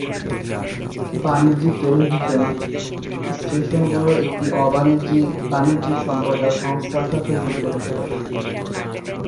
বাণিজ্যিক টেলিভিশন স্টেশনগুলি একটি অ-বাণিজ্যিক বাণিজ্যিক সম্প্রচার সংস্থার সাথেও যুক্ত হতে পারে।